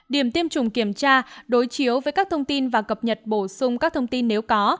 điểm tiêm chủng kiểm tra đối chiếu với các thông tin và cập nhật bổ sung các thông tin nếu có